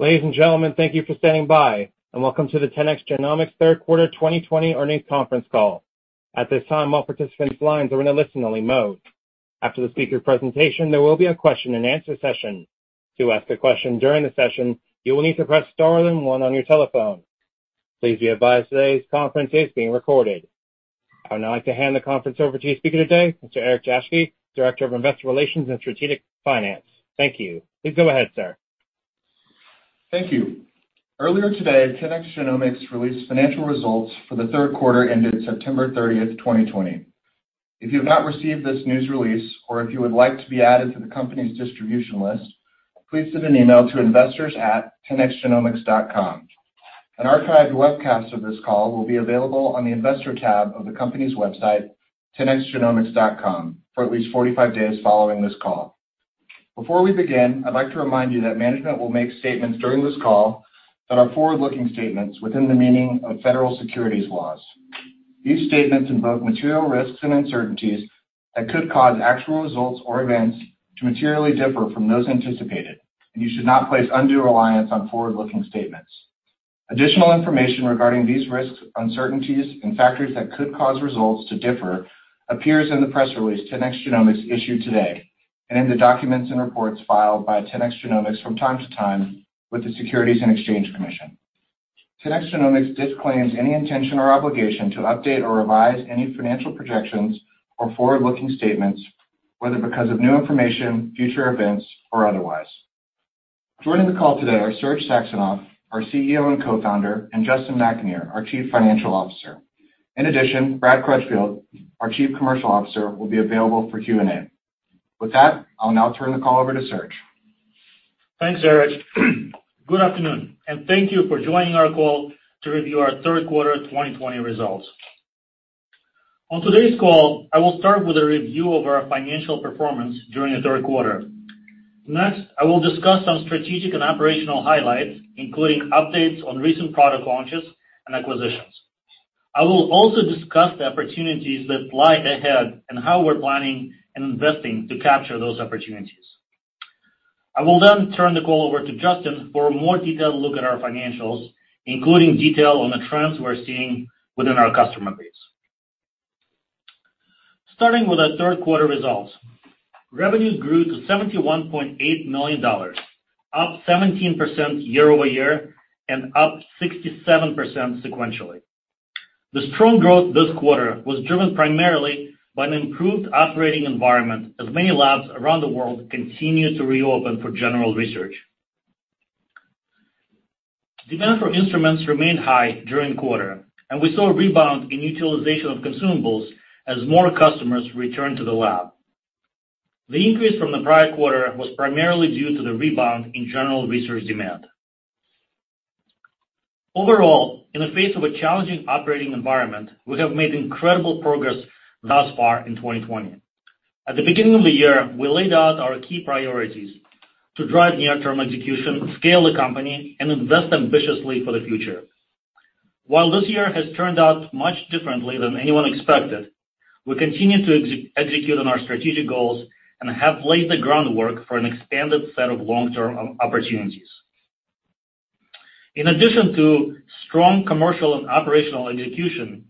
Ladies and gentlemen, thank you for standing by and welcome to the 10x Genomics third quarter 2020 earnings conference call. At this time, all participants' lines are in a listen-only mode. After the speaker presentation, there will be a question-and-answer session. To ask a question during the session, you will need to press star then one on your telephone. Please be advised this conference is being recorded. I would now like to hand the conference over to your speaker today, Mr. Eric Jaschke, Director of Investor Relations and Strategic Finance. Thank you. Please go ahead, sir. Thank you. Earlier today, 10x Genomics released financial results for the third quarter ended September 30, 2020. If you have not received this news release, or if you would like to be added to the company's distribution list, please send an email to investors@10xgenomics.com. An archived webcast of this call will be available on the Investor tab of the company's website, 10xgenomics.com, for at least 45 days following this call. Before we begin, I'd like to remind you that management will make statements during this call that are forward-looking statements within the meaning of federal securities laws. These statements involve material risks and uncertainties that could cause actual results or events to materially differ from those anticipated, and you should not place undue reliance on forward-looking statements. Additional information regarding these risks, uncertainties, and factors that could cause results to differ appears in the press release 10x Genomics issued today, and in the documents and reports filed by 10x Genomics from time to time with the Securities and Exchange Commission. 10x Genomics disclaims any intention or obligation to update or revise any financial projections or forward-looking statements, whether because of new information, future events, or otherwise. Joining the call today are Serge Saxonov, our CEO and Co-Founder, and Justin McAnear, our Chief Financial Officer. In addition, Brad Crutchfield, our Chief Commercial Officer, will be available for Q&A. With that, I'll now turn the call over to Serge. Thanks, Eric. Good afternoon, and thank you for joining our call to review our third quarter 2020 results. On today's call, I will start with a review of our financial performance during the third quarter. Next, I will discuss some strategic and operational highlights, including updates on recent product launches and acquisitions. I will also discuss the opportunities that lie ahead and how we're planning on investing to capture those opportunities. I will then turn the call over to Justin for a more detailed look at our financials, including detail on the trends we're seeing within our customer base. Starting with our third quarter results. Revenues grew to $71.8 million, up 17% year-over-year and up 67% sequentially. The strong growth this quarter was driven primarily by an improved operating environment as many labs around the world continue to reopen for general research. Demand for instruments remained high during the quarter, and we saw a rebound in utilization of consumables as more customers returned to the lab. The increase from the prior quarter was primarily due to the rebound in general research demand. Overall, in the face of a challenging operating environment, we have made incredible progress thus far in 2020. At the beginning of the year, we laid out our key priorities to drive near-term execution, scale the company, and invest ambitiously for the future. While this year has turned out much differently than anyone expected, we continue to execute on our strategic goals and have laid the groundwork for an expanded set of long-term opportunities. In addition to strong commercial and operational execution,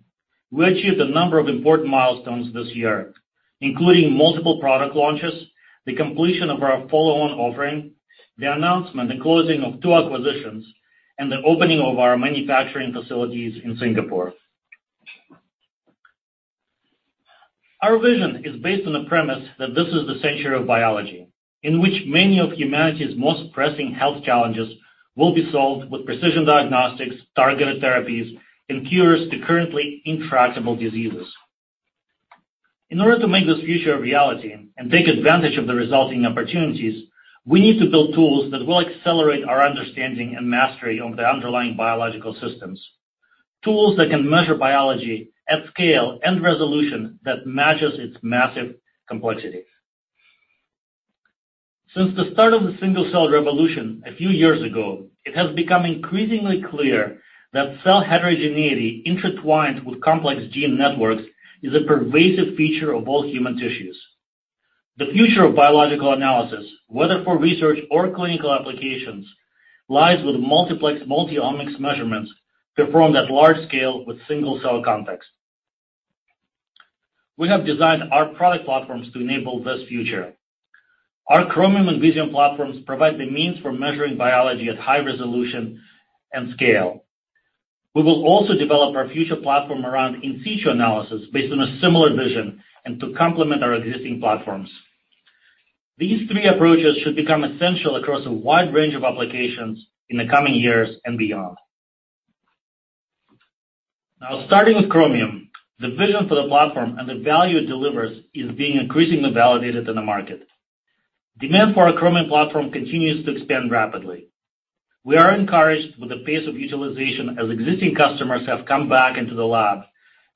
we achieved a number of important milestones this year, including multiple product launches, the completion of our follow-on offering, the announcement and closing of two acquisitions, and the opening of our manufacturing facilities in Singapore. Our vision is based on the premise that this is the century of biology, in which many of humanity's most pressing health challenges will be solved with precision diagnostics, targeted therapies, and cures to currently intractable diseases. In order to make this future a reality and take advantage of the resulting opportunities, we need to build tools that will accelerate our understanding and mastery of the underlying biological systems, tools that can measure biology at scale and resolution that matches its massive complexity. Since the start of the single-cell revolution a few years ago, it has become increasingly clear that cell heterogeneity intertwined with complex gene networks is a pervasive feature of all human tissues. The future of biological analysis, whether for research or clinical applications, lies with multiplex multiomics measurements performed at large scale with single-cell context. We have designed our product platforms to enable this future. Our Chromium and Visium platforms provide the means for measuring biology at high resolution and scale. We will also develop our future platform around in situ analysis based on a similar vision and to complement our existing platforms. These three approaches should become essential across a wide range of applications in the coming years and beyond. Starting with Chromium, the vision for the platform and the value it delivers is being increasingly validated in the market. Demand for our Chromium platform continues to expand rapidly. We are encouraged with the pace of utilization as existing customers have come back into the lab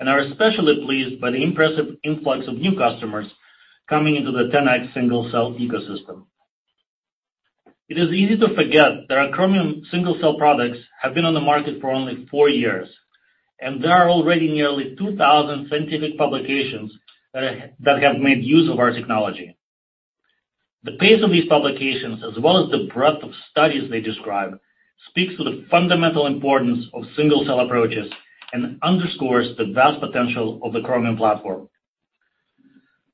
and are especially pleased by the impressive influx of new customers coming into the 10x single-cell ecosystem. It is easy to forget that our Chromium single-cell products have been on the market for only four years. There are already nearly 2,000 scientific publications that have made use of our technology. The pace of these publications, as well as the breadth of studies they describe, speaks to the fundamental importance of single-cell approaches and underscores the vast potential of the Chromium platform.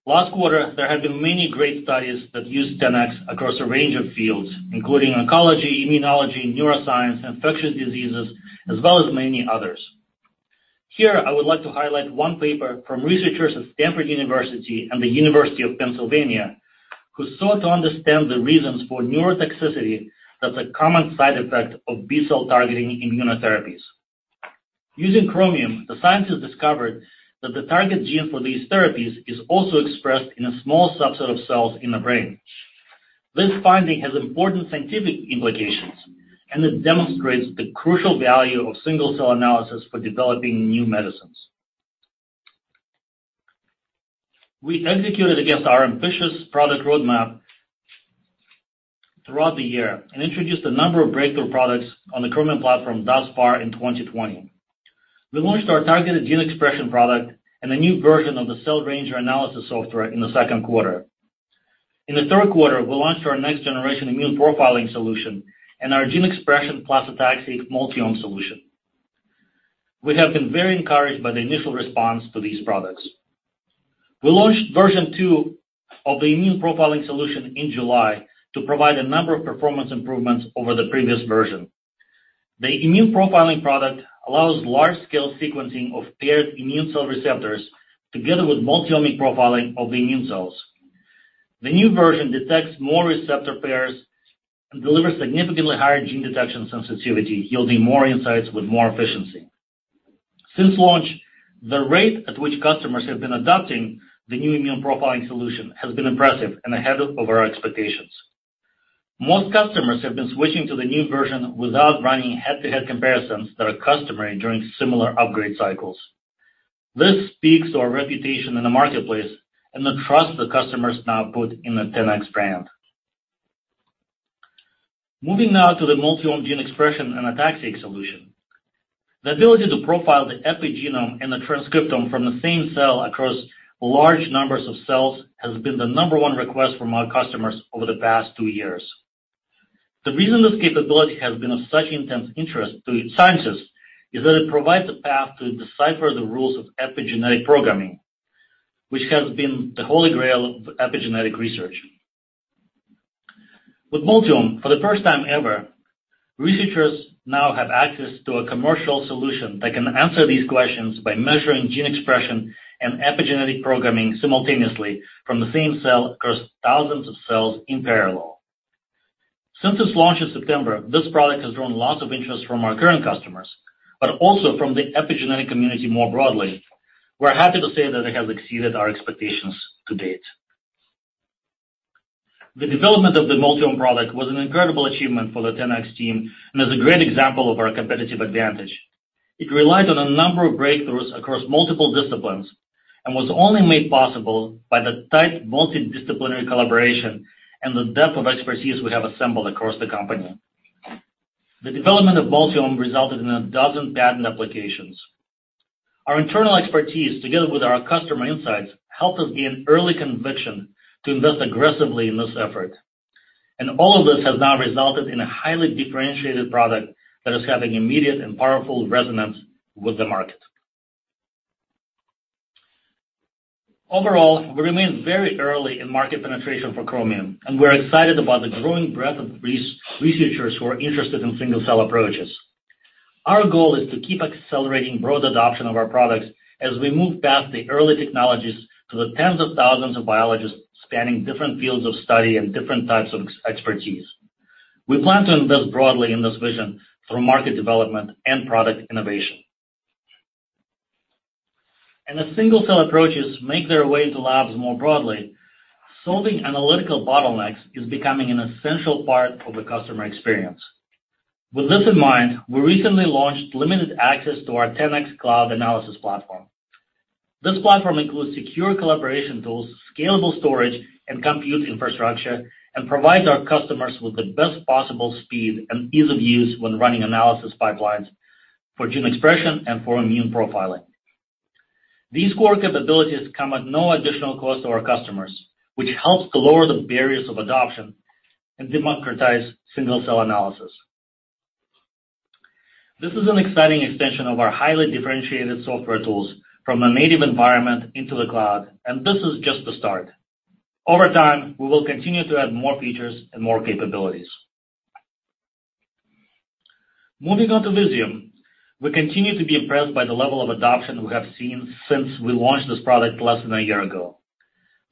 Last quarter, there have been many great studies that used 10x across a range of fields, including oncology, immunology, neuroscience, infectious diseases, as well as many others. Here, I would like to highlight one paper from researchers at Stanford University and the University of Pennsylvania, who sought to understand the reasons for neurotoxicity as a common side effect of B-cell targeting immunotherapies. Using Chromium, the scientists discovered that the target gene for these therapies is also expressed in a small subset of cells in the brain. This finding has important scientific implications, and it demonstrates the crucial value of single-cell analysis for developing new medicines. We executed against our ambitious product roadmap throughout the year and introduced a number of breakthrough products on the Chromium platform thus far in 2020. We launched our targeted gene expression product and a new version of the Cell Ranger analysis software in the second quarter. In the third quarter, we launched our next-generation immune profiling solution and our gene expression plus epigenetic Multiome solution. We have been very encouraged by the initial response to these products. We launched version two of the immune profiling solution in July to provide a number of performance improvements over the previous version. The immune profiling product allows large-scale sequencing of paired immune cell receptors, together with multiomic profiling of the immune cells. The new version detects more receptor pairs and delivers significantly higher gene detection sensitivity, yielding more insights with more efficiency. Since launch, the rate at which customers have been adopting the new immune profiling solution has been impressive and ahead of our expectations. Most customers have been switching to the new version without running head-to-head comparisons that are customary during similar upgrade cycles. This speaks to our reputation in the marketplace and the trust the customers now put in the 10x brand. Moving now to the Multiome gene expression and epigenome solution. The ability to profile the epigenome and the transcriptome from the same cell across large numbers of cells has been the number one request from our customers over the past two years. The reason this capability has been of such intense interest to scientists is that it provides a path to decipher the rules of epigenetic programming, which has been the holy grail of epigenetic research. With Multiome, for the first time ever, researchers now have access to a commercial solution that can answer these questions by measuring gene expression and epigenetic programming simultaneously from the same cell across thousands of cells in parallel. Since its launch in September, this product has drawn lots of interest from our current customers, but also from the epigenetic community more broadly. We're happy to say that it has exceeded our expectations to date. The development of the Multiome product was an incredible achievement for the 10x team and is a great example of our competitive advantage. It relied on a number of breakthroughs across multiple disciplines and was only made possible by the tight multidisciplinary collaboration and the depth of expertise we have assembled across the company. The development of Multiome resulted in 12 patent applications. Our internal expertise, together with our customer insights, helped us gain early conviction to invest aggressively in this effort. All of this has now resulted in a highly differentiated product that is having immediate and powerful resonance with the market. Overall, we remain very early in market penetration for Chromium, and we're excited about the growing breadth of researchers who are interested in single-cell approaches. Our goal is to keep accelerating broad adoption of our products as we move past the early technologies to the tens of thousands of biologists spanning different fields of study and different types of expertise. We plan to invest broadly in this vision through market development and product innovation. As single-cell approaches make their way into labs more broadly, solving analytical bottlenecks is becoming an essential part of the customer experience. With this in mind, we recently launched limited access to our 10x Cloud Analysis platform. This platform includes secure collaboration tools, scalable storage, and compute infrastructure, and provides our customers with the best possible speed and ease of use when running analysis pipelines for gene expression and for immune profiling. These core capabilities come at no additional cost to our customers, which helps to lower the barriers of adoption and democratize single-cell analysis. This is an exciting extension of our highly differentiated software tools from a native environment into the cloud, and this is just the start. Over time, we will continue to add more features and more capabilities. Moving on to Visium. We continue to be impressed by the level of adoption we have seen since we launched this product less than a year ago.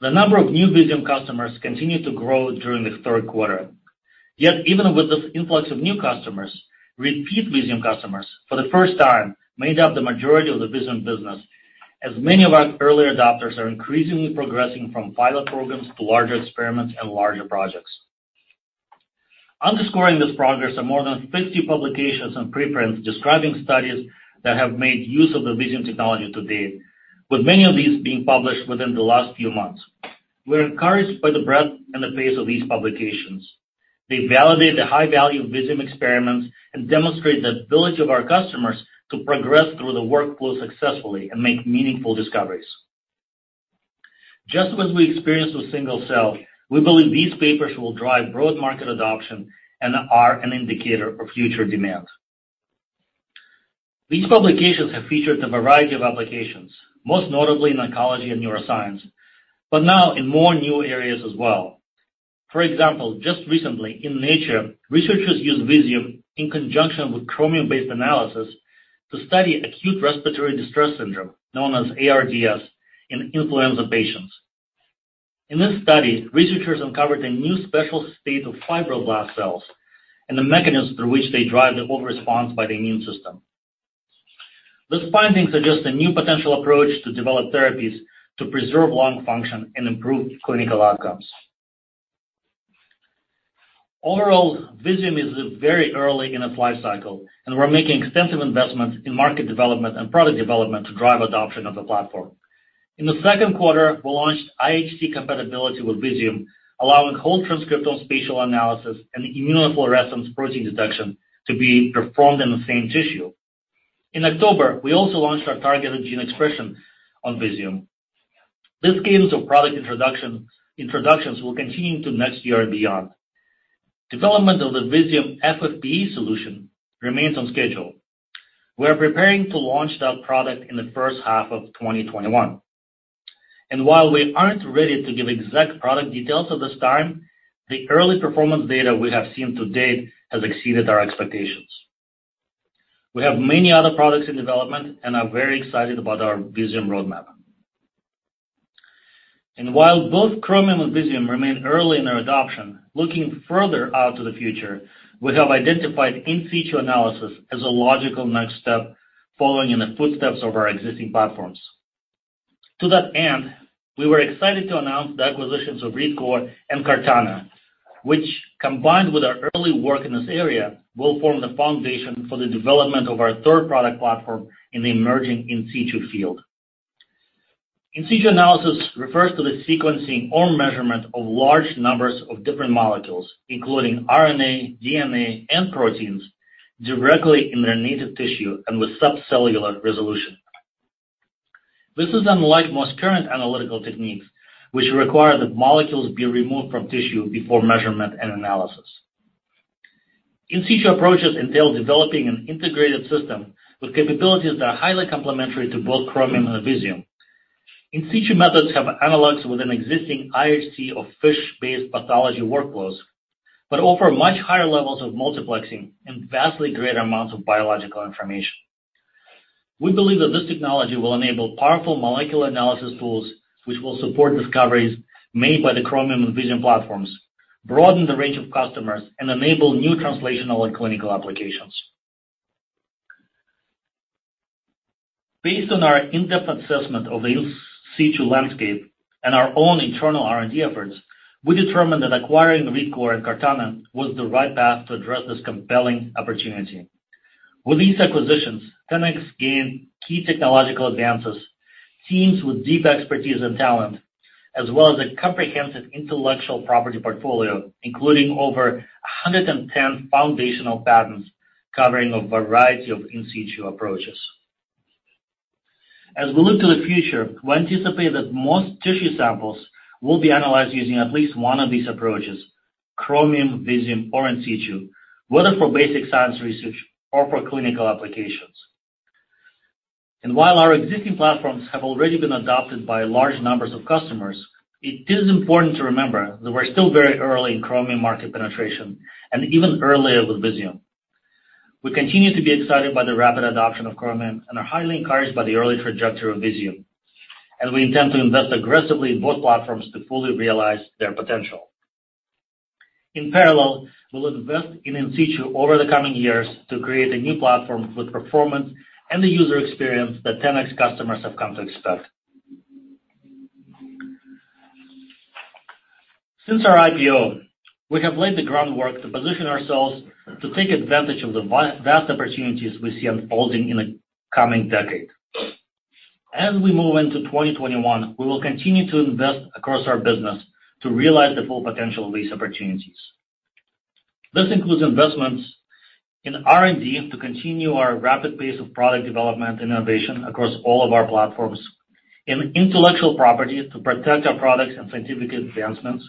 The number of new Visium customers continued to grow during the third quarter. Even with this influx of new customers, repeat Visium customers, for the first time, made up the majority of the Visium business, as many of our early adopters are increasingly progressing from pilot programs to larger experiments and larger projects. Underscoring this progress are more than 50 publications and preprints describing studies that have made use of the Visium technology to date, with many of these being published within the last few months. We're encouraged by the breadth and the pace of these publications. They validate the high value of Visium experiments and demonstrate the ability of our customers to progress through the workflow successfully and make meaningful discoveries. Just as we experienced with single-cell, we believe these papers will drive broad market adoption and are an indicator of future demand. These publications have featured a variety of applications, most notably in oncology and neuroscience, but now in more new areas as well. For example, just recently in Nature, researchers used Visium in conjunction with Chromium-based analysis to study acute respiratory distress syndrome, known as ARDS, in influenza patients. In this study, researchers uncovered a new spatial state of fibroblast cells and the mechanism through which they drive the overresponse by the immune system. These findings suggest a new potential approach to develop therapies to preserve lung function and improve clinical outcomes. Overall, Visium is very early in its life cycle, and we're making extensive investments in market development and product development to drive adoption of the platform. In the second quarter, we launched IHC compatibility with Visium, allowing whole transcriptomic spatial analysis and immunofluorescence protein detection to be performed in the same tissue. In October, we also launched our targeted gene expression on Visium. These gains of product introductions will continue into next year and beyond. Development of the Visium FFPE solution remains on schedule. We are preparing to launch that product in the first half of 2021. While we aren't ready to give exact product details at this time, the early performance data we have seen to date has exceeded our expectations. We have many other products in development and are very excited about our Visium roadmap. While both Chromium and Visium remain early in their adoption, looking further out to the future, we have identified in situ analysis as a logical next step, following in the footsteps of our existing platforms. To that end, we were excited to announce the acquisitions of ReadCoor and CartaNA, which, combined with our early work in this area, will form the foundation for the development of our third product platform in the emerging in situ field. In situ analysis refers to the sequencing or measurement of large numbers of different molecules, including RNA, DNA, and proteins, directly in their native tissue and with subcellular resolution. This is unlike most current analytical techniques, which require that molecules be removed from tissue before measurement and analysis. In situ approaches entail developing an integrated system with capabilities that are highly complementary to both Chromium and Visium. In situ methods have analogs within existing IHC or FISH-based pathology workflows, but offer much higher levels of multiplexing and vastly greater amounts of biological information. We believe that this technology will enable powerful molecular analysis tools, which will support discoveries made by the Chromium and Visium platforms, broaden the range of customers, and enable new translational and clinical applications. Based on our in-depth assessment of the in situ landscape and our own internal R&D efforts, we determined that acquiring ReadCoor and CartaNA was the right path to address this compelling opportunity. With these acquisitions, 10x gained key technological advances, teams with deep expertise and talent, as well as a comprehensive intellectual property portfolio, including over 110 foundational patents covering a variety of in situ approaches. As we look to the future, we anticipate that most tissue samples will be analyzed using at least one of these approaches, Chromium, Visium, or in situ, whether for basic science research or for clinical applications. While our existing platforms have already been adopted by large numbers of customers, it is important to remember that we're still very early in Chromium market penetration and even earlier with Visium. We continue to be excited by the rapid adoption of Chromium and are highly encouraged by the early trajectory of Visium, and we intend to invest aggressively in both platforms to fully realize their potential. In parallel, we'll invest in in situ over the coming years to create a new platform with performance and the user experience that 10x customers have come to expect. Since our IPO, we have laid the groundwork to position ourselves to take advantage of the vast opportunities we see unfolding in the coming decade. As we move into 2021, we will continue to invest across our business to realize the full potential of these opportunities. This includes investments in R&D to continue our rapid pace of product development and innovation across all of our platforms, in intellectual property to protect our products and scientific advancements,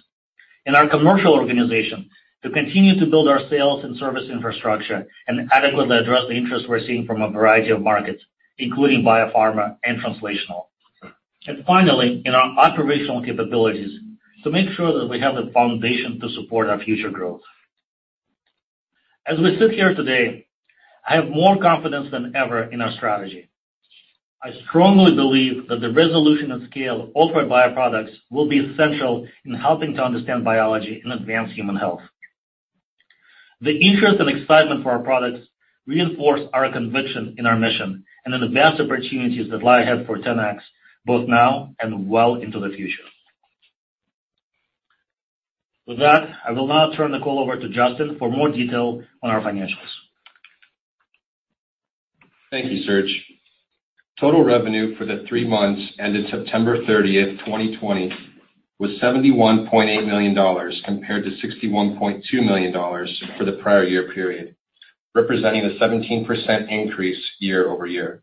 in our commercial organization to continue to build our sales and service infrastructure and adequately address the interest we're seeing from a variety of markets, including biopharma and translational. Finally, in our operational capabilities to make sure that we have the foundation to support our future growth. As we sit here today, I have more confidence than ever in our strategy. I strongly believe that the resolution and scale offered by our products will be essential in helping to understand biology and advance human health. The interest and excitement for our products reinforce our conviction in our mission and in the vast opportunities that lie ahead for 10x, both now and well into the future. With that, I will now turn the call over to Justin for more detail on our financials. Thank you, Serge. Total revenue for the three months ended September 30th, 2020 was $71.8 million, compared to $61.2 million for the prior year period, representing a 17% increase year-over-year.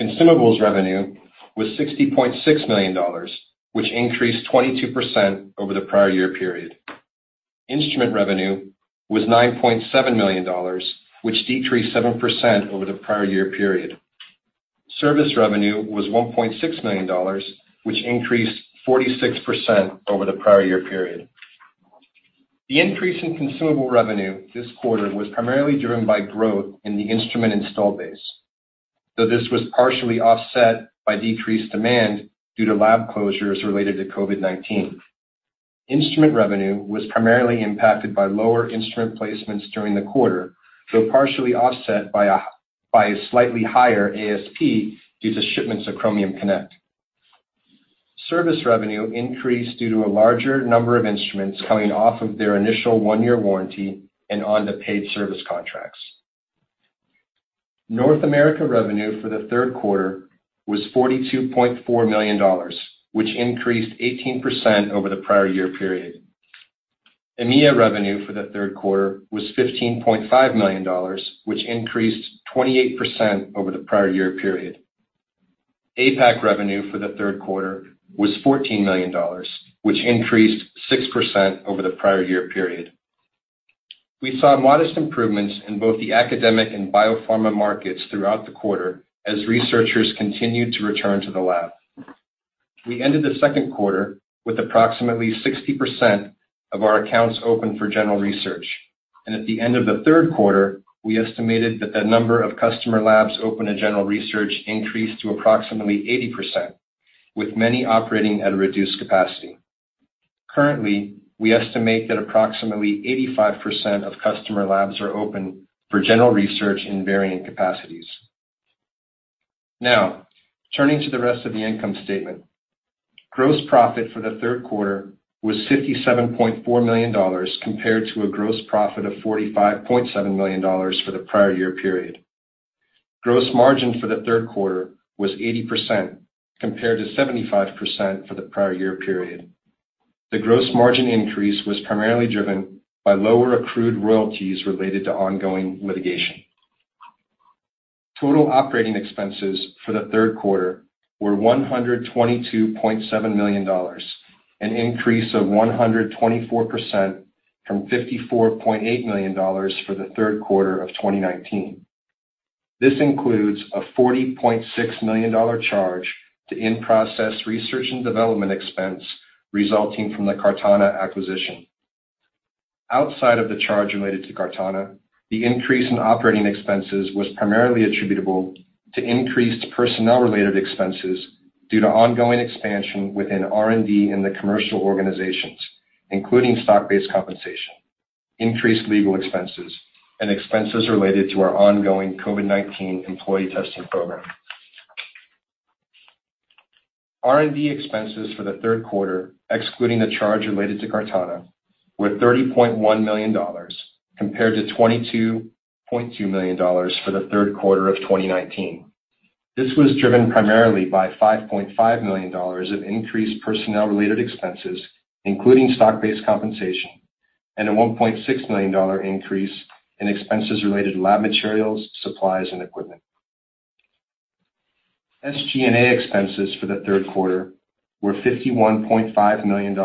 Consumables revenue was $60.6 million, which increased 22% over the prior year period. Instrument revenue was $9.7 million, which decreased 7% over the prior year period. Service revenue was $1.6 million, which increased 46% over the prior year period. The increase in consumable revenue this quarter was primarily driven by growth in the instrument install base, though this was partially offset by decreased demand due to lab closures related to COVID-19. Instrument revenue was primarily impacted by lower instrument placements during the quarter, though partially offset by a slightly higher ASP due to shipments of Chromium Connect. Service revenue increased due to a larger number of instruments coming off of their initial one-year warranty and onto paid service contracts. North America revenue for the third quarter was $42.4 million, which increased 18% over the prior year period. EMEA revenue for the third quarter was $15.5 million, which increased 28% over the prior year period. APAC revenue for the third quarter was $14 million, which increased 6% over the prior year period. We saw modest improvements in both the academic and biopharma markets throughout the quarter as researchers continued to return to the lab. We ended the second quarter with approximately 60% of our accounts open for general research, and at the end of the third quarter, we estimated that the number of customer labs open to general research increased to approximately 80%, with many operating at a reduced capacity. Currently, we estimate that approximately 85% of customer labs are open for general research in varying capacities. Now, turning to the rest of the income statement. Gross profit for the third quarter was $57.4 million, compared to a gross profit of $45.7 million for the prior year period. Gross margin for the third quarter was 80%, compared to 75% for the prior year period. The gross margin increase was primarily driven by lower accrued royalties related to ongoing litigation. Total operating expenses for the third quarter were $122.7 million, an increase of 124% from $54.8 million for the third quarter of 2019. This includes a $40.6 million charge to in-process research and development expense resulting from the CartaNA acquisition. Outside of the charge related to CartaNA, the increase in operating expenses was primarily attributable to increased personnel-related expenses due to ongoing expansion within R&D in the commercial organizations, including stock-based compensation, increased legal expenses, and expenses related to our ongoing COVID-19 employee testing program. R&D expenses for the third quarter, excluding the charge related to CartaNA, were $30.1 million, compared to $22.2 million for the third quarter of 2019. This was driven primarily by $5.5 million of increased personnel-related expenses, including stock-based compensation, and a $1.6 million increase in expenses related to lab materials, supplies, and equipment. SG&A expenses for the third quarter were $51.5 million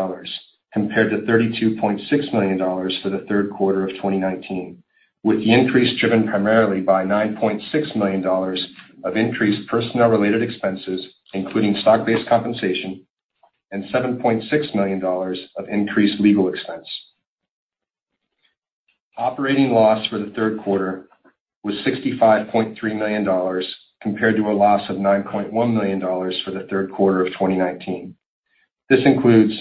compared to $32.6 million for the third quarter of 2019, with the increase driven primarily by $9.6 million of increased personnel-related expenses, including stock-based compensation and $7.6 million of increased legal expense. Operating loss for the third quarter was $65.3 million, compared to a loss of $9.1 million for the third quarter of 2019. This includes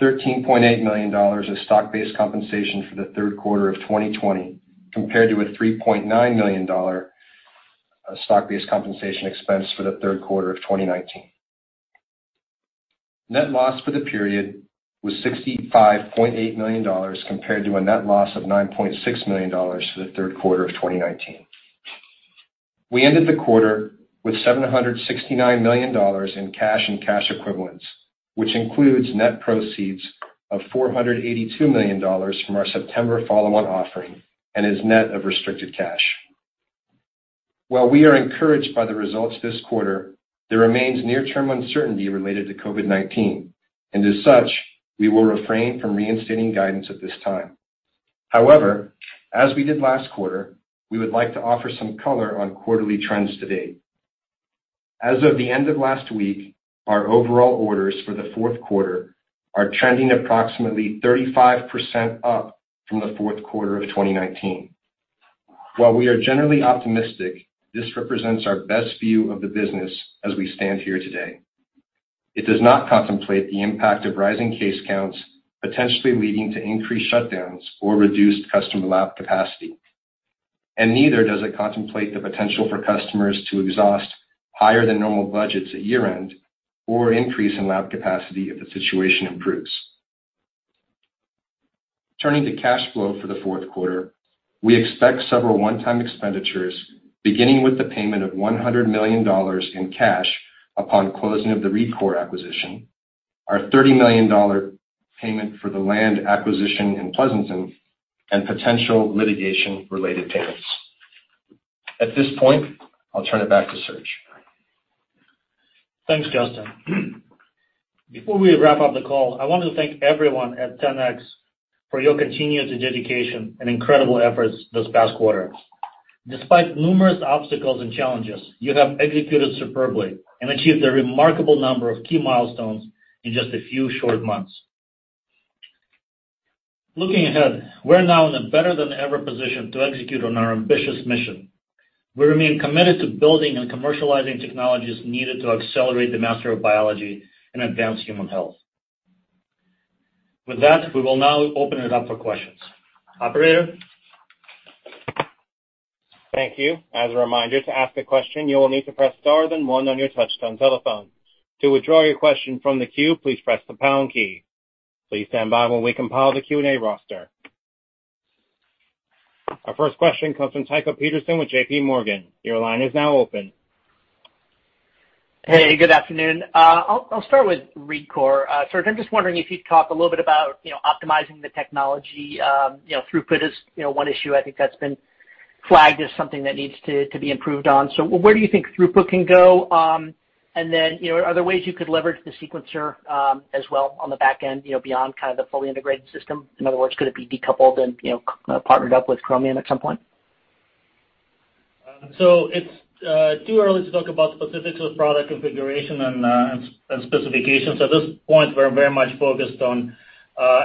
$13.8 million of stock-based compensation for the third quarter of 2020, compared to a $3.9 million stock-based compensation expense for the third quarter of 2019. Net loss for the period was $65.8 million, compared to a net loss of $9.6 million for the third quarter of 2019. We ended the quarter with $769 million in cash and cash equivalents, which includes net proceeds of $482 million from our September follow-on offering and is net of restricted cash. While we are encouraged by the results this quarter, there remains near-term uncertainty related to COVID-19, and as such, we will refrain from reinstating guidance at this time. However, as we did last quarter, we would like to offer some color on quarterly trends to date. As of the end of last week, our overall orders for the fourth quarter are trending approximately 35% up from the fourth quarter of 2019. While we are generally optimistic, this represents our best view of the business as we stand here today. It does not contemplate the impact of rising case counts, potentially leading to increased shutdowns or reduced customer lab capacity, neither does it contemplate the potential for customers to exhaust higher than normal budgets at year-end or increase in lab capacity if the situation improves. Turning to cash flow for the fourth quarter, we expect several one-time expenditures, beginning with the payment of $100 million in cash upon closing of the ReadCoor acquisition, our $30 million payment for the land acquisition in Pleasanton, and potential litigation-related payments. At this point, I'll turn it back to Serge. Thanks, Justin. Before we wrap up the call, I want to thank everyone at 10x for your continued dedication and incredible efforts this past quarter. Despite numerous obstacles and challenges, you have executed superbly and achieved a remarkable number of key milestones in just a few short months. Looking ahead, we're now in a better-than-ever position to execute on our ambitious mission. We remain committed to building and commercializing technologies needed to accelerate the mastery of biology and advance human health. With that, we will now open it up for questions. Operator? Thank you. As a reminder, to ask a question, you will need to press star then one on your touchtone telephone. To withdraw your question from the queue, please press the pound key. Please stand by while we compile the Q&A roster. Our first question comes from Tycho Peterson with JPMorgan. Your line is now open. Hey, good afternoon. I'll start with ReadCoor. Serge, I'm just wondering if you'd talk a little bit about optimizing the technology. Throughput is one issue I think that's been flagged as something that needs to be improved on. Where do you think throughput can go? Are there ways you could leverage the sequencer as well on the back end, beyond the fully integrated system? In other words, could it be decoupled and partnered up with Chromium at some point? It's too early to talk about specifics with product configuration and specifications. At this point, we're very much focused on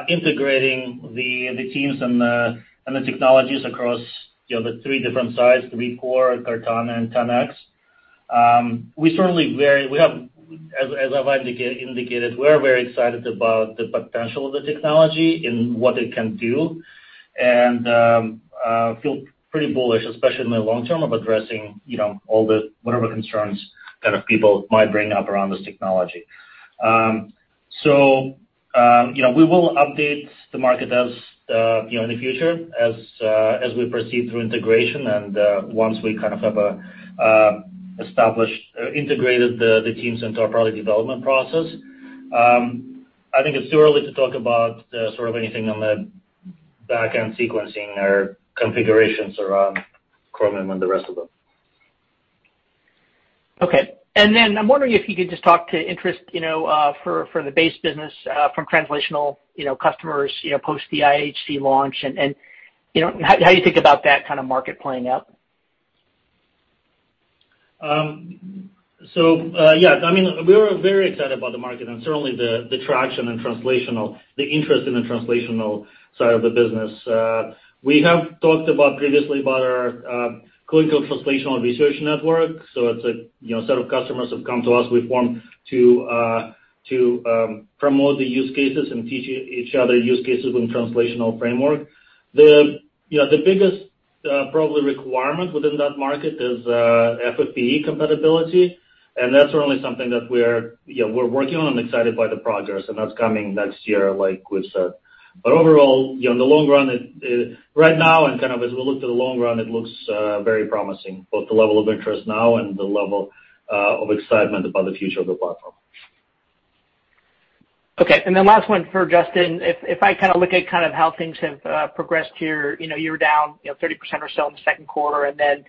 integrating the teams and the technologies across the three different sides, ReadCoor, CartaNA and 10x. As I've indicated, we're very excited about the potential of the technology in what it can do and feel pretty bullish, especially in the long term of addressing whatever concerns that people might bring up around this technology. We will update the market in the future as we proceed through integration and once we have integrated the teams into our product development process. I think it's too early to talk about anything on the back-end sequencing or configurations around Chromium and the rest of them. Okay. I'm wondering if you could just talk to interest for the base business from translational customers post the IHC launch and how you think about that kind of market playing out? Yes. We're very excited about the market and certainly the traction in the interest in the translational side of the business. We have talked previously about our clinical translational research network. It's a set of customers who've come to us, we formed to promote the use cases and teach each other use cases in translational framework. The biggest probably requirement within that market is FFPE compatibility, and that's certainly something that we're working on and excited by the progress, and that's coming next year, like we've said. Overall, right now and as we look to the long run, it looks very promising, both the level of interest now and the level of excitement about the future of the platform. Okay. Last one for Justin. If I look at how things have progressed here, you were down 30% or so in the second quarter and then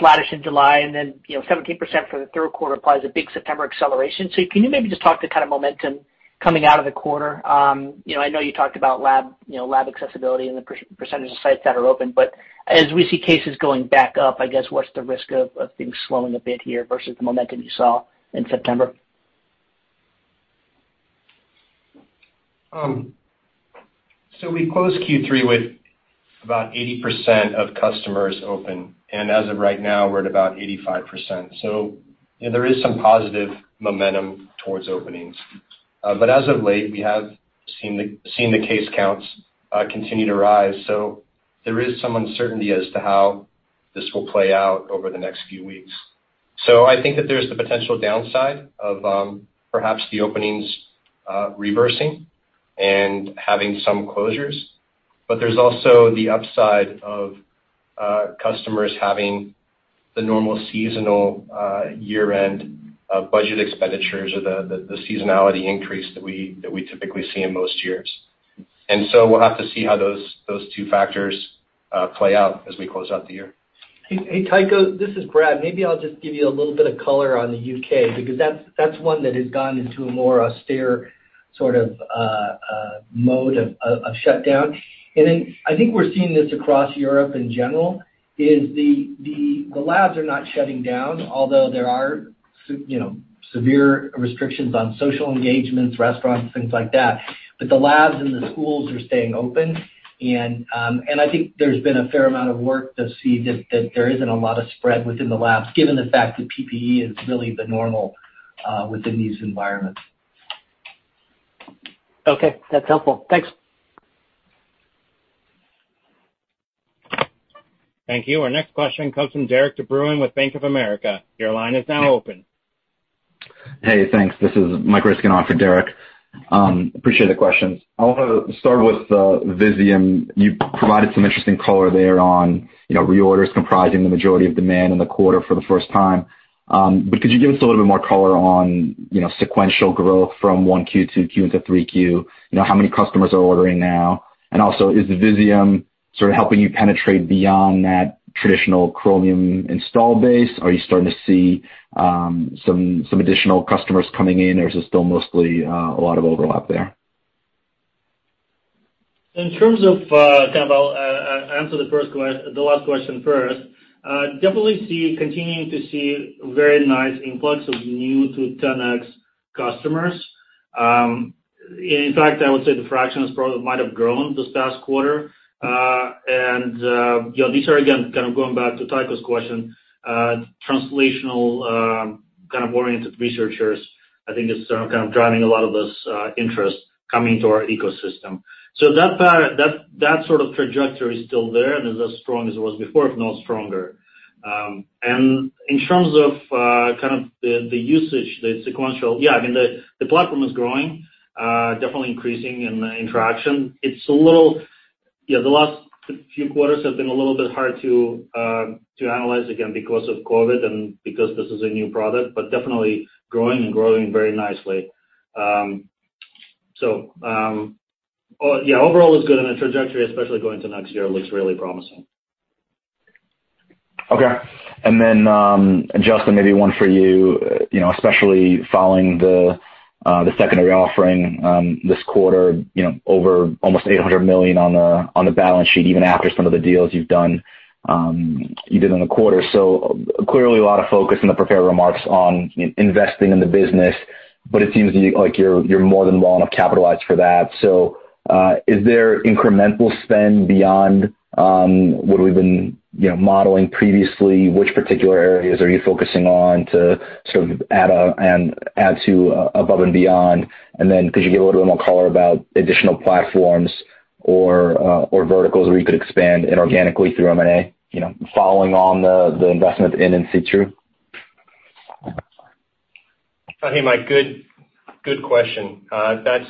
flattish in July and then 17% for the third quarter implies a big September acceleration. Can you maybe just talk to the kind of momentum coming out of the quarter? I know you talked about lab accessibility and the percentage of sites that are open, but as we see cases going back up, I guess, what's the risk of things slowing a bit here versus the momentum you saw in September? We closed Q3 with about 80% of customers open, and as of right now, we're at about 85%. There is some positive momentum towards openings. As of late, we have seen the case counts continue to rise, so there is some uncertainty as to how this will play out over the next few weeks. I think that there's the potential downside of perhaps the openings reversing and having some closures, but there's also the upside of customers having the normal seasonal year-end budget expenditures or the seasonality increase that we typically see in most years. We'll have to see how those two factors play out as we close out the year. Hey, Tycho, this is Brad. Maybe I'll just give you a little bit of color on the U.K., because that's one that has gone into a more austere sort of mode of shutdown. I think we're seeing this across Europe in general, is the labs are not shutting down, although there are severe restrictions on social engagements, restaurants, things like that, but the labs and the schools are staying open, and I think there's been a fair amount of work to see that there isn't a lot of spread within the labs, given the fact that PPE is really the normal within these environments. Okay, that's helpful. Thanks. Thank you. Our next question comes from Derik de Bruin with Bank of America. Your line is now open. Hey, thanks. This is Mike Ryskin on for Derik. Appreciate the questions. I want to start with Visium. You provided some interesting color there on reorders comprising the majority of demand in the quarter for the first time. Could you give us a little bit more color on sequential growth from 1Q to 2Q into 3Q? How many customers are ordering now? Also, is Visium sort of helping you penetrate beyond that traditional Chromium install base? Are you starting to see some additional customers coming in, or is it still mostly a lot of overlap there? I'll answer the last question first. Definitely continuing to see very nice influx of new to 10x customers. In fact, I would say the fraction might have grown this past quarter. These are, again, going back to Tycho's question, translational oriented researchers, I think is sort of driving a lot of this interest coming to our ecosystem. That sort of trajectory is still there and is as strong as it was before, if not stronger. In terms of the usage, the sequential, yeah, the platform is growing, definitely increasing in interaction. The last few quarters have been a little bit hard to analyze, again, because of COVID and because this is a new product, but definitely growing and growing very nicely. Overall it's good and the trajectory, especially going into next year, looks really promising. Okay. Justin, maybe one for you, especially following the secondary offering this quarter, almost $800 million on the balance sheet, even after some of the deals you've done in the quarter. Clearly a lot of focus in the prepared remarks on investing in the business, but it seems like you're more than well enough capitalized for that. Is there incremental spend beyond what we've been modeling previously? Which particular areas are you focusing on to sort of add to above and beyond? Could you give a little bit more color about additional platforms or verticals where you could expand inorganically through M&A, following on the investment in in situ? Hey, Mike, good question. The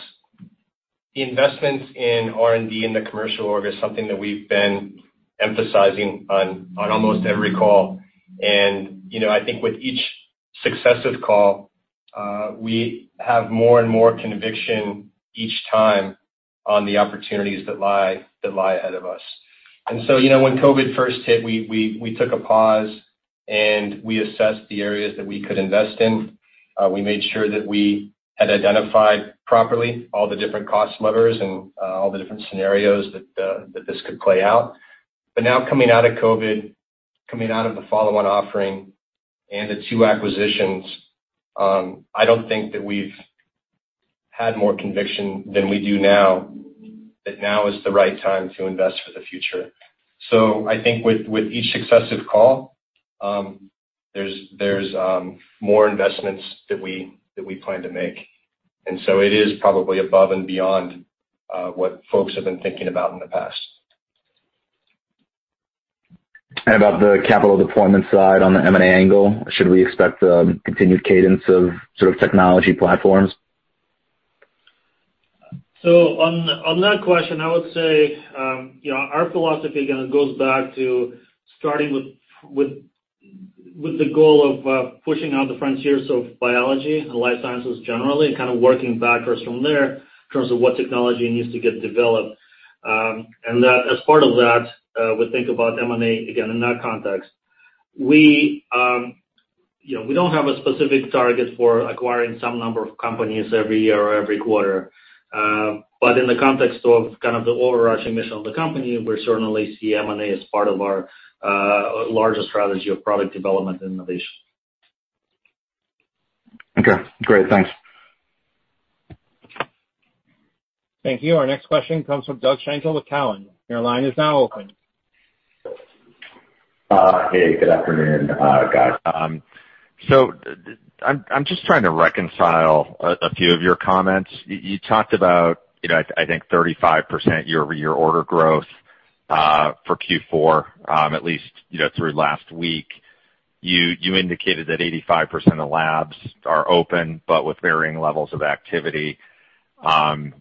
investments in R&D in the commercial org is something that we've been emphasizing on almost every call. I think with each successive call, we have more and more conviction each time on the opportunities that lie ahead of us. When COVID first hit, we took a pause and we assessed the areas that we could invest in. We made sure that we had identified properly all the different cost levers and all the different scenarios that this could play out. Now coming out of COVID, coming out of the follow-on offering and the two acquisitions, I don't think that we've had more conviction than we do now, that now is the right time to invest for the future. I think with each successive call, there's more investments that we plan to make, and so it is probably above and beyond what folks have been thinking about in the past. About the capital deployment side on the M&A angle, should we expect a continued cadence of sort of technology platforms? On that question, I would say our philosophy, again, goes back to starting with the goal of pushing out the frontiers of biology and life sciences generally, and kind of working backwards from there in terms of what technology needs to get developed. As part of that, we think about M&A, again, in that context. We don't have a specific target for acquiring some number of companies every year or every quarter. In the context of the overarching mission of the company, we certainly see M&A as part of our larger strategy of product development and innovation. Okay, great. Thanks. Thank you. Our next question comes from Doug Schenkel with Cowen. Your line is now open. Hey, good afternoon, guys. I'm just trying to reconcile a few of your comments. You talked about I think 35% year-over-year order growth for Q4 at least through last week. You indicated that 85% of labs are open, but with varying levels of activity. I'm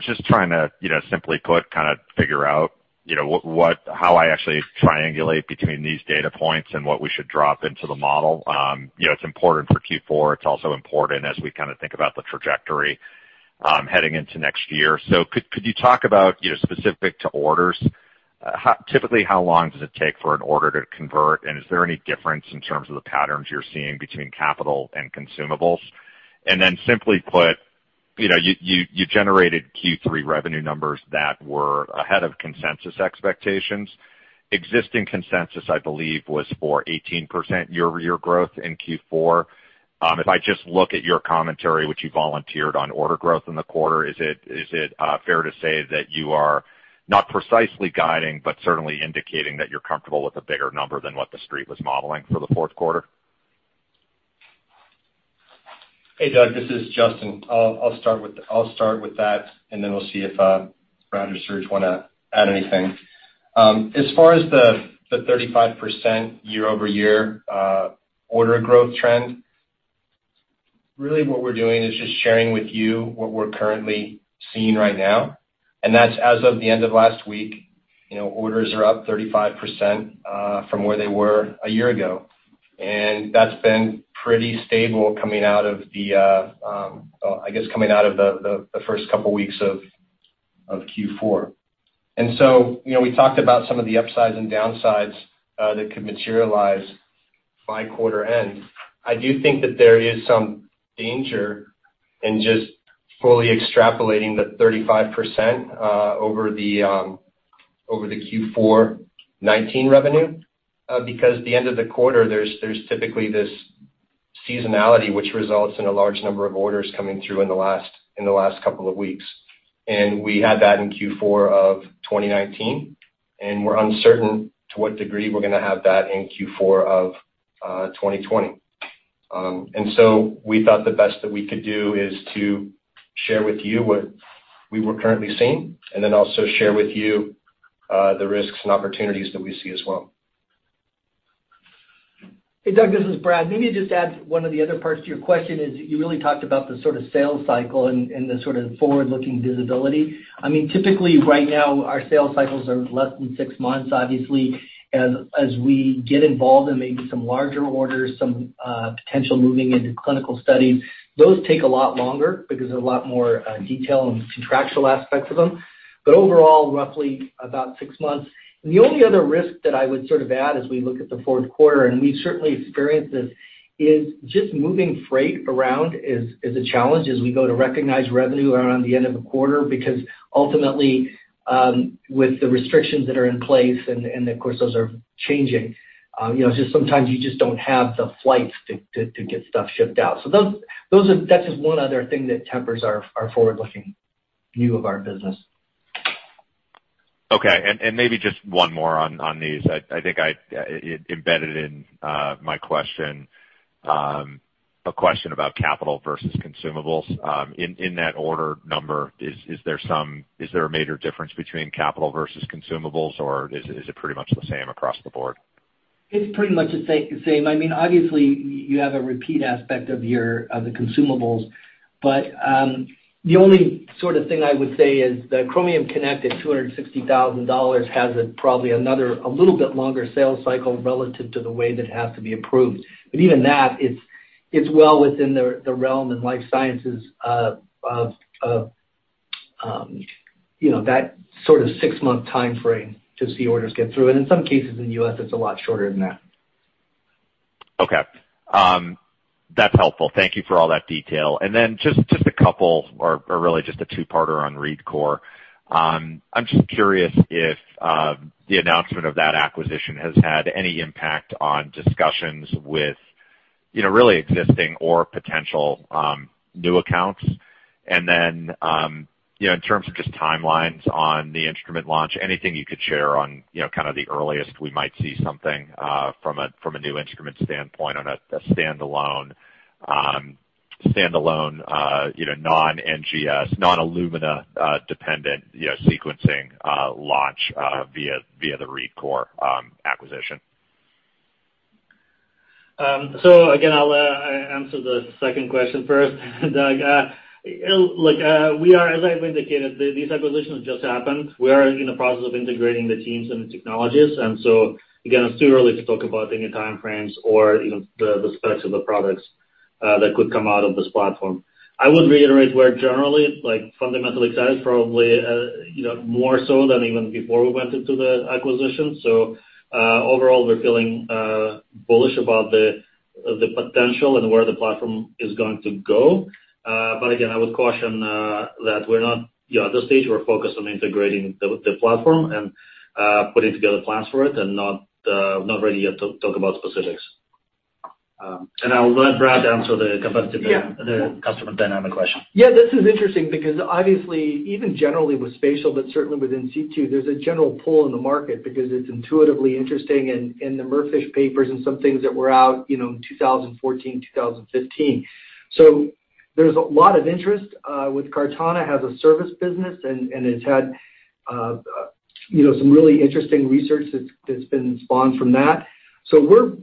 just trying to simply put, kind of figure how I actually triangulate between these data points and what we should drop into the model. It's important for Q4. It's also important as we think about the trajectory heading into next year. Could you talk about, specific to orders, typically, how long does it take for an order to convert, and is there any difference in terms of the patterns you're seeing between capital and consumables? Simply put, you generated Q3 revenue numbers that were ahead of consensus expectations. Existing consensus, I believe, was for 18% year-over-year growth in Q4. If I just look at your commentary, which you volunteered on order growth in the quarter, is it fair to say that you are not precisely guiding, but certainly indicating that you're comfortable with a bigger number than what the Street was modeling for the fourth quarter? Hey, Doug, this is Justin. I'll start with that, and then we'll see if Brad or Serge want to add anything. As far as the 35% year-over-year order growth trend, really what we're doing is just sharing with you what we're currently seeing right now, and that's as of the end of last week, orders are up 35% from where they were a year ago. We talked about some of the upsides and downsides that could materialize by quarter end. I do think that there is some danger in just fully extrapolating the 35% over the Q4 2019 revenue. Because the end of the quarter, there's typically this seasonality, which results in a large number of orders coming through in the last couple of weeks. We had that in Q4 of 2019, and we're uncertain to what degree we're going to have that in Q4 of 2020. We thought the best that we could do is to share with you what we were currently seeing, and then also share with you the risks and opportunities that we see as well. Hey, Doug, this is Brad. Maybe just to add one of the other parts to your question is, you really talked about the sort of sales cycle and the sort of forward-looking visibility. Typically right now our sales cycles are less than six months. Obviously, as we get involved in maybe some larger orders, some potential moving into clinical studies, those take a lot longer because there's a lot more detail and contractual aspects of them. Overall, roughly about six months. The only other risk that I would sort of add as we look at the fourth quarter, and we certainly experienced this, is just moving freight around is a challenge as we go to recognize revenue around the end of the quarter, because ultimately, with the restrictions that are in place and, of course, those are changing, sometimes you just don't have the flights to get stuff shipped out. That's just one other thing that tempers our forward-looking view of our business. Okay, maybe just one more on these. I think I embedded in my question a question about capital versus consumables. In that order number, is there a major difference between capital versus consumables, or is it pretty much the same across the board? It's pretty much the same. Obviously, you have a repeat aspect of the consumables. The only sort of thing I would say is the Chromium Connect at $260,000 has probably a little bit longer sales cycle relative to the way that it has to be approved. Even that, it's well within the realm and life sciences of that sort of six-month timeframe to see orders get through. In some cases in the U.S., it's a lot shorter than that. Okay. That's helpful. Thank you for all that detail. Just a couple or really just a two-parter on ReadCoor. I'm just curious if the announcement of that acquisition has had any impact on discussions with really existing or potential new accounts. In terms of just timelines on the instrument launch, anything you could share on kind of the earliest we might see something from a new instrument standpoint on a standalone non-NGS, non-Illumina dependent sequencing launch via the ReadCoor acquisition. Again, I'll answer the second question first, Doug, As I've indicated, these acquisitions just happened. We are in the process of integrating the teams and the technologies. Again, it's too early to talk about any time frames or even the specs of the products that could come out of this platform. I would reiterate we're generally fundamentally excited, probably more so than even before we went into the acquisition. Overall, we're feeling bullish about the potential and where the platform is going to go. Again, I would caution that at this stage, we're focused on integrating the platform and putting together plans for it and not ready yet to talk about specifics. I'll let Brad answer the customer dynamic question. This is interesting because obviously, even generally with spatial, but certainly within in situ, there's a general pull in the market because it's intuitively interesting and the MERFISH papers and some things that were out in 2014, 2015. There's a lot of interest with CartaNA has a service business, and it's had some really interesting research that's been spawned from that. Certainly,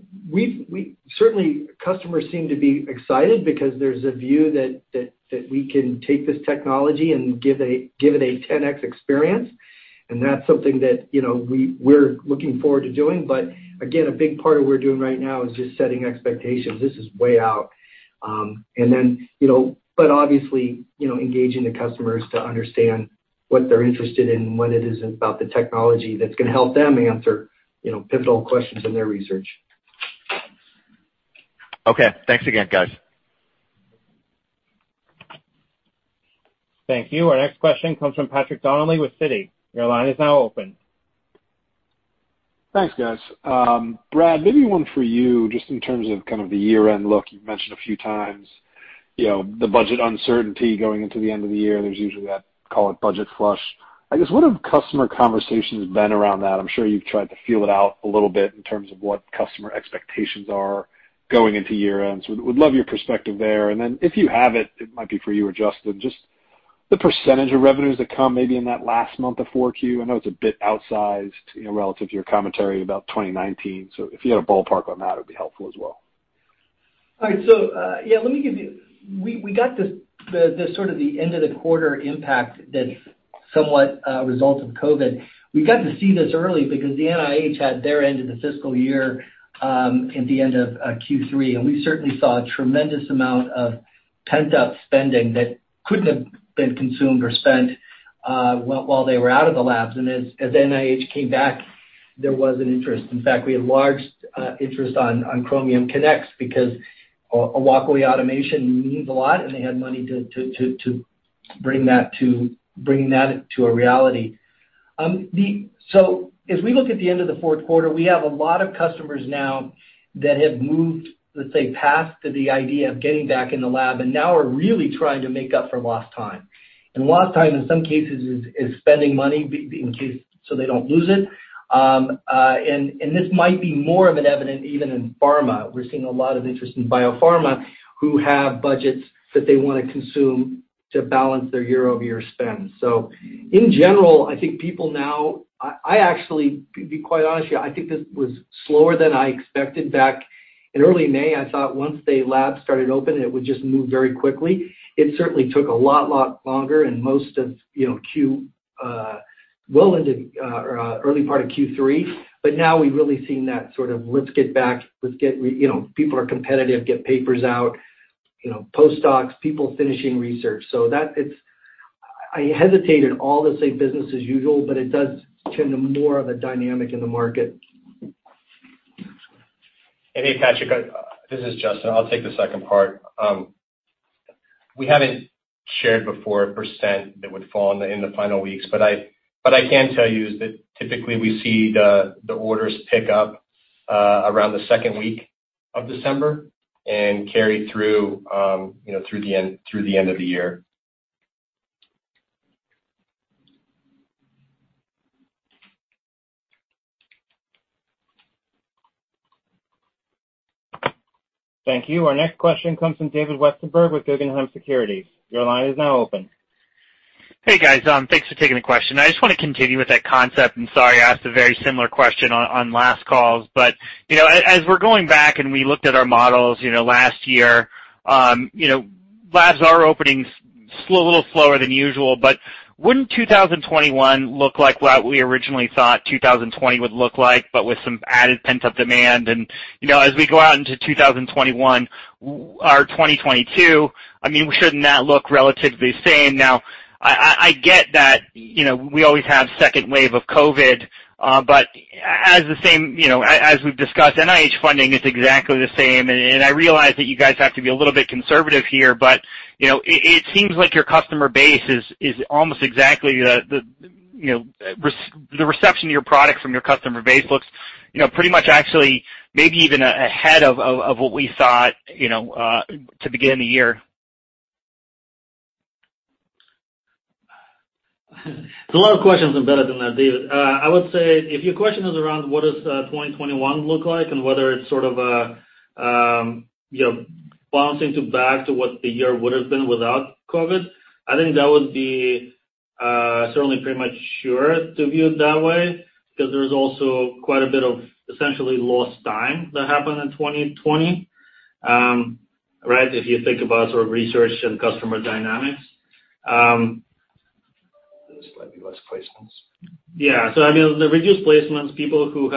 customers seem to be excited because there's a view that we can take this technology and give it a 10x experience, and that's something that we're looking forward to doing. Again, a big part of what we're doing right now is just setting expectations. This is way out. Obviously, engaging the customers to understand what they're interested in, what it is about the technology that's going to help them answer pivotal questions in their research. Okay. Thanks again, guys. Thank you. Our next question comes from Patrick Donnelly with Citi. Thanks, guys. Brad, maybe one for you, just in terms of kind of the year-end look. You've mentioned a few times the budget uncertainty going into the end of the year. There's usually that, call it budget flush, I guess, what have customer conversations been around that? I'm sure you've tried to feel it out a little bit in terms of what customer expectations are going into year-end. Would love your perspective there. And then if you have it might be for you or Justin, just the percentage of revenues that come maybe in that last month of 4Q. I know it's a bit outsized, relative to your commentary about 2019. If you had a ballpark on that, it would be helpful as well. All right. Yeah, we got the end of the quarter impact that somewhat results of COVID. We got to see this early because the NIH had their end of the fiscal year, at the end of Q3, and we certainly saw a tremendous amount of pent-up spending that couldn't have been consumed or spent while they were out of the labs. As NIH came back, there was an interest. In fact, we had large interest on Chromium Connect because a walkaway automation means a lot, and they had money to bring that to a reality. As we look at the end of the fourth quarter, we have a lot of customers now that have moved, let's say, past the idea of getting back in the lab, and now are really trying to make up for lost time. Lost time, in some cases, is spending money in case, so they don't lose it. This might be more of an evident even in pharma. We're seeing a lot of interest in biopharma who have budgets that they want to consume to balance their year-over-year spend. In general, I actually, to be quite honest with you, I think this was slower than I expected back in early May. I thought once the labs started open, it would just move very quickly. It certainly took a lot longer in early part of Q3, but now we've really seen that sort of, let's get back, people are competitive, get papers out, postdocs, people finishing research. I hesitate at all to say business as usual, but it does tend to more of a dynamic in the market. Hey, Patrick, this is Justin. I'll take the second part. We haven't shared before a percent that would fall in the final weeks, but I can tell you is that typically we see the orders pick up around the second week of December and carry through the end of the year. Thank you. Our next question comes from David Westenberg with Guggenheim Securities. Your line is now open. Hey, guys. Thanks for taking the question. I just want to continue with that concept, sorry, I asked a very similar question on last calls. As we're going back and we looked at our models last year, labs are opening a little slower than usual, but wouldn't 2021 look like what we originally thought 2020 would look like, but with some added pent-up demand? As we go out into 2021 or 2022, shouldn't that look relatively the same now? I get that we always have second wave of COVID, as we've discussed, NIH funding is exactly the same, I realize that you guys have to be a little bit conservative here, it seems like your customer base is almost exactly the reception to your product from your customer base looks pretty much actually maybe even ahead of what we thought to begin the year. It's a lot of questions embedded in that, David. I would say if your question is around what does 2021 look like and whether it's sort of bouncing back to what the year would've been without COVID, I think that would be certainly pretty much sure to view it that way because there's also quite a bit of essentially lost time that happened in 2020. Right? If you think about research and customer dynamics. There's slightly less placements. The reduced placements, people who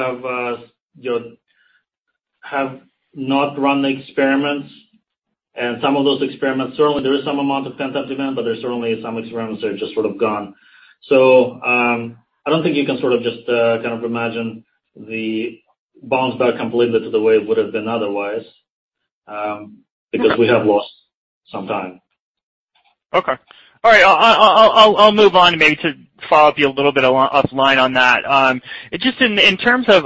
have not run the experiments and some of those experiments, certainly there is some amount of pent-up demand, but there's certainly some experiments that are just sort of gone. I don't think you can just imagine the bounce back completely to the way it would've been otherwise, because we have lost some time. Okay. All right. I'll move on maybe to follow up you a little bit offline on that. Just in terms of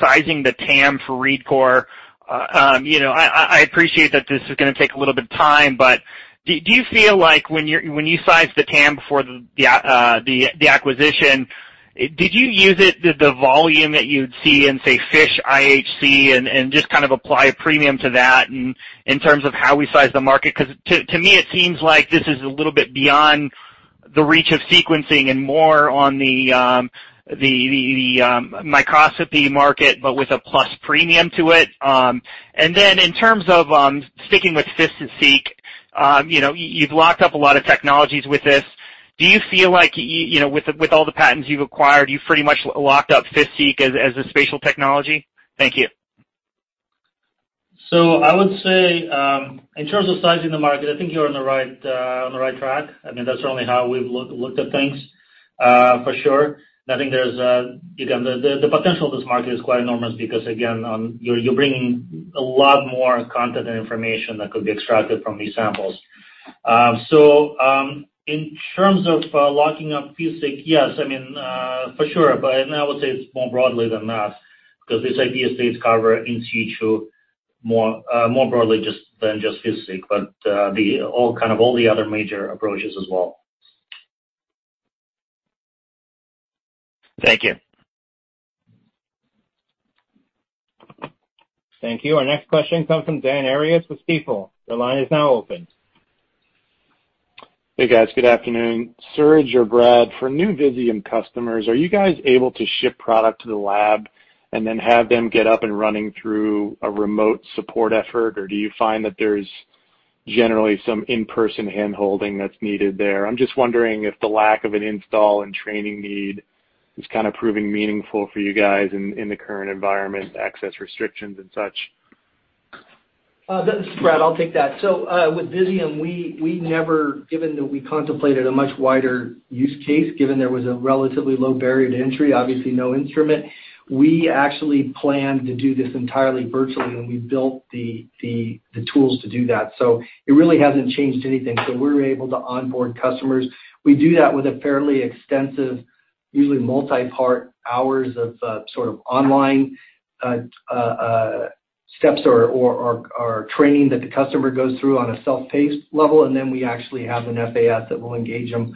sizing the TAM for ReadCoor, I appreciate that this is going to take a little bit of time, but do you feel like when you sized the TAM before the acquisition, did you use it, the volume that you'd see in, say, FISH IHC and just kind of apply a premium to that in terms of how we size the market? To me it seems like this is a little bit beyond the reach of sequencing and more on the microscopy market, but with a plus premium to it. In terms of sticking with FISSEQ, you've locked up a lot of technologies with this. Do you feel like with all the patents you've acquired, you've pretty much locked up FISSEQ as a spatial technology? Thank you. I would say, in terms of sizing the market, I think you're on the right track. That's certainly how we've looked at things, for sure. The potential of this market is quite enormous because again, you're bringing a lot more content and information that could be extracted from these samples. In terms of locking up FISSEQ, yes, for sure. Now I would say it's more broadly than that because this idea stays covered in situ. More broadly than just FISSEQ, but all the other major approaches as well. Thank you. Thank you. Our next question comes from Dan Arias with Stifel. Your line is now open. Hey, guys. Good afternoon. Serge or Brad, for new Visium customers, are you guys able to ship product to the lab and then have them get up and running through a remote support effort, or do you find that there's generally some in-person hand-holding that's needed there? I'm just wondering if the lack of an install and training need is proving meaningful for you guys in the current environment, access restrictions and such. This is Brad, I'll take that. With Visium, given that we contemplated a much wider use case, given there was a relatively low barrier to entry, obviously no instrument, we actually planned to do this entirely virtually, and we built the tools to do that. It really hasn't changed anything. We were able to onboard customers. We do that with a fairly extensive, usually multi-part hours of online steps or training that the customer goes through on a self-paced level, and then we actually have an FAS that will engage them,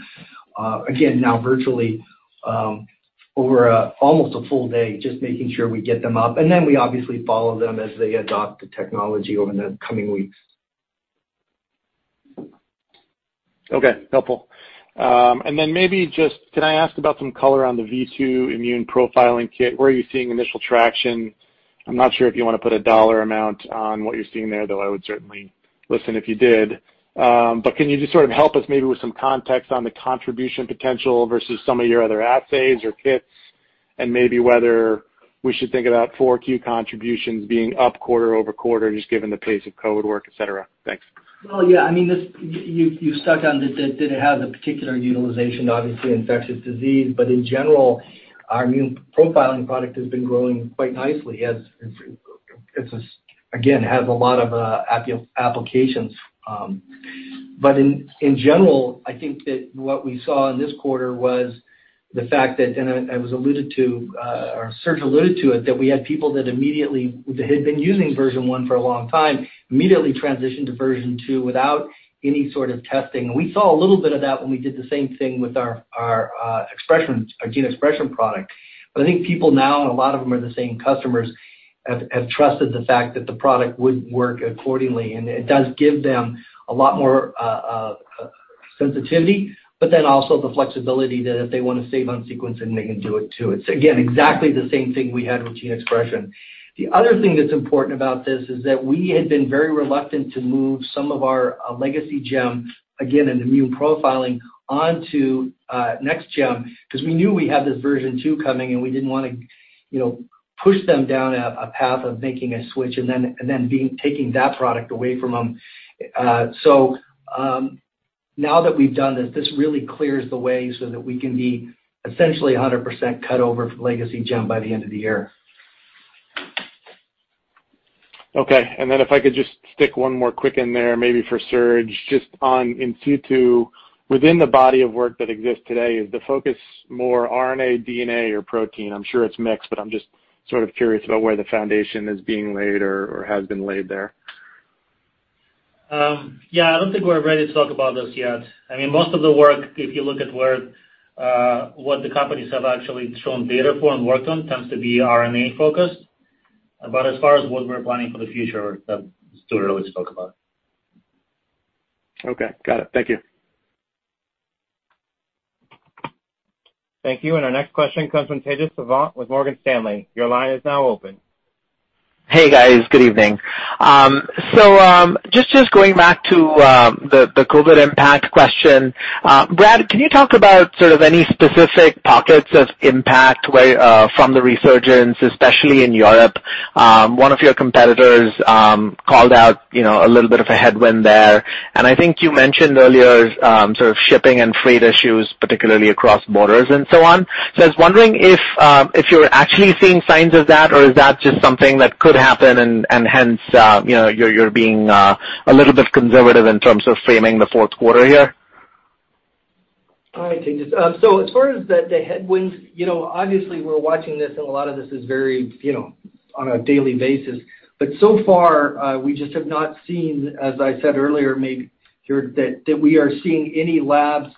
again, now virtually, over almost a full day, just making sure we get them up. We obviously follow them as they adopt the technology over the coming weeks. Okay. Helpful. Maybe just, can I ask about some color on the v2 immune profiling kit? Where are you seeing initial traction? I am not sure if you want to put a dollar amount on what you are seeing there, though I would certainly listen if you did. Can you just sort of help us maybe with some context on the contribution potential versus some of your other assays or kits and maybe whether we should think about 4Q contributions being up quarter-over-quarter, just given the pace of COVID-19 work, et cetera? Thanks. Well, yeah. You stuck on, did it have the particular utilization, obviously, infectious disease. In general, our immune profiling product has been growing quite nicely as it, again, has a lot of applications. In general, I think that what we saw in this quarter was the fact that, as Serge alluded to it, that we had people that had been using version one for a long time, immediately transitioned to version two without any sort of testing. We saw a little bit of that when we did the same thing with our gene expression product. I think people now, and a lot of them are the same customers, have trusted the fact that the product would work accordingly, and it does give them a lot more sensitivity, but then also the flexibility that if they want to save on sequencing, they can do it too. It's, again, exactly the same thing we had with gene expression. The other thing that's important about this is that we had been very reluctant to move some of our legacy GEM, again, in immune profiling, onto Next GEM, because we knew we had this version two coming, and we didn't want to push them down a path of making a switch and then taking that product away from them. Now that we've done this really clears the way so that we can be essentially 100% cut over from legacy GEM by the end of the year. Okay. If I could just stick one more quick in there, maybe for Serge, just on in situ, within the body of work that exists today, is the focus more RNA, DNA, or protein? I'm sure it's mixed, but I'm just sort of curious about where the foundation is being laid or has been laid there. Yeah, I don't think we're ready to talk about this yet. Most of the work, if you look at what the companies have actually shown data for and worked on, tends to be RNA focused. As far as what we're planning for the future, that Stuart already spoke about. Okay. Got it. Thank you. Thank you. Our next question comes from Tejas Savant with Morgan Stanley. Your line is now open. Hey, guys. Good evening. Just going back to the COVID impact question. Brad, can you talk about sort of any specific pockets of impact from the resurgence, especially in Europe? One of your competitors called out a little bit of a headwind there, and I think you mentioned earlier, sort of shipping and freight issues, particularly across borders and so on. I was wondering if you're actually seeing signs of that, or is that just something that could happen and hence, you're being a little bit conservative in terms of framing the fourth quarter here? All right, Tejas. As far as the headwinds, obviously we're watching this, and a lot of this is very on a daily basis. So far, we just have not seen, as I said earlier, that we are seeing any labs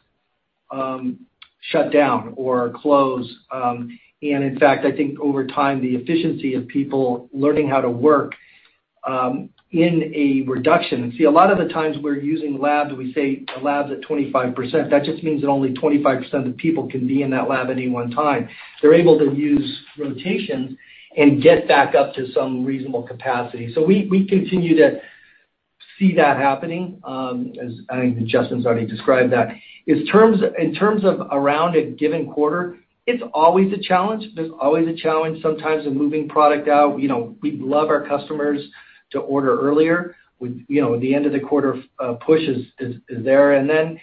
shut down or close. In fact, I think over time, the efficiency of people learning how to work in a reduction. See, a lot of the times we're using labs, we say a lab's at 25%. That just means that only 25% of the people can be in that lab at any one time. They're able to use rotations and get back up to some reasonable capacity. We continue to see that happening, as I think Justin's already described that. In terms of around a given quarter, it's always a challenge. There's always a challenge, sometimes, in moving product out. We'd love our customers to order earlier. The end of the quarter push is there. Then,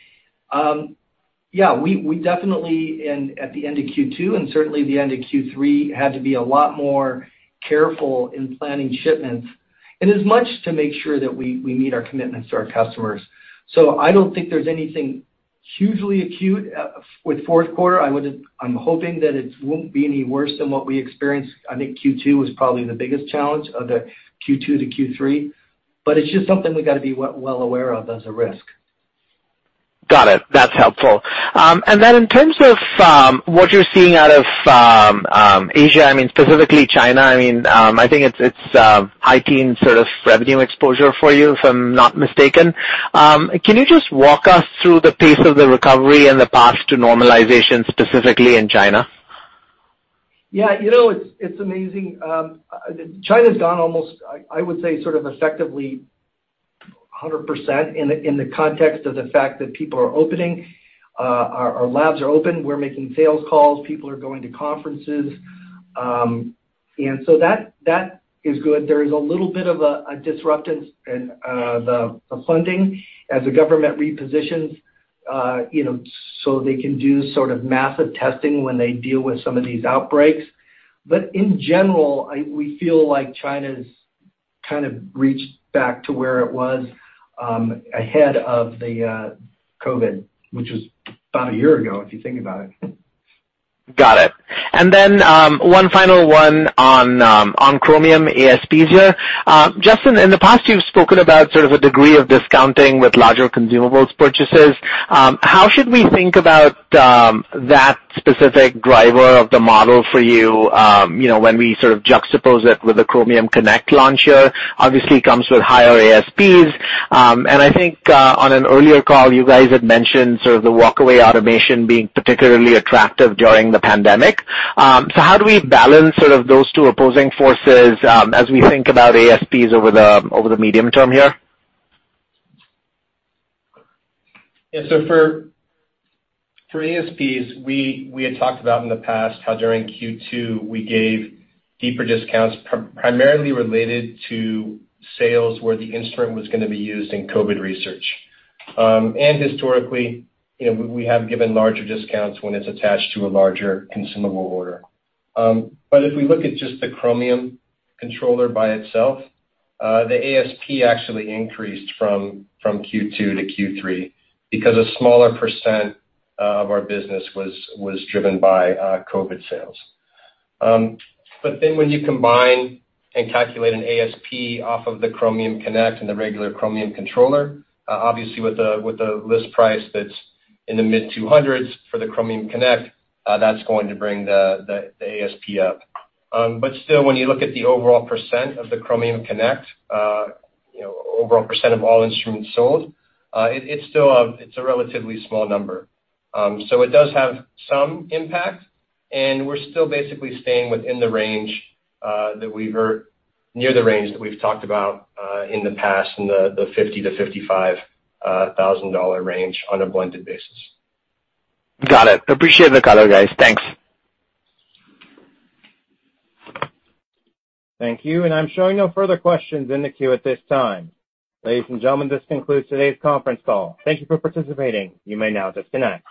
yeah, we definitely, at the end of Q2 and certainly the end of Q3, had to be a lot more careful in planning shipments. As much to make sure that we meet our commitments to our customers. I don't think there's anything hugely acute with fourth quarter, I'm hoping that it won't be any worse than what we experienced. I think Q2 was probably the biggest challenge, Q2 to Q3. It's just something we've got to be well aware of as a risk. Got it. That's helpful. In terms of what you're seeing out of Asia, specifically China, I think it's high-teen sort of revenue exposure for you if I'm not mistaken. Can you just walk us through the pace of the recovery and the path to normalization, specifically in China? Yeah. It's amazing. China's gone almost, I would say, sort of effectively 100% in the context of the fact that people are opening, our labs are open, we're making sales calls, people are going to conferences. That is good. There is a little bit of a disruption in the funding as the government repositions so they can do sort of massive testing when they deal with some of these outbreaks. In general, we feel like China's kind of reached back to where it was ahead of the COVID, which was about one year ago, if you think about it. Got it. One final one on Chromium ASPs here. Justin, in the past, you've spoken about sort of a degree of discounting with larger consumables purchases. How should we think about that specific driver of the model for you when we sort of juxtapose it with the Chromium Connect launch here? Obviously, it comes with higher ASPs. On an earlier call, you guys had mentioned sort of the walkaway automation being particularly attractive during the pandemic. How do we balance sort of those two opposing forces as we think about ASPs over the medium term here? For ASPs, we had talked about in the past how during Q2 we gave deeper discounts primarily related to sales where the instrument was going to be used in COVID research. Historically, we have given larger discounts when it's attached to a larger consumable order. If we look at just the Chromium controller by itself, the ASP actually increased from Q2 to Q3 because a smaller percent of our business was driven by COVID sales. When you combine and calculate an ASP off of the Chromium Connect and the regular Chromium controller, obviously with the list price that's in the mid-$200s for the Chromium Connect, that's going to bring the ASP up. Still, when you look at the overall percent of the Chromium Connect, overall percent of all instruments sold, it's a relatively small number. It does have some impact, and we're still basically staying near the range that we've talked about in the past, in the $50,000-$55,000 range on a blended basis. Got it. Appreciate the color, guys. Thanks. Thank you. I'm showing no further questions in the queue at this time. Ladies and gentlemen, this concludes today's conference call. Thank you for participating. You may now disconnect.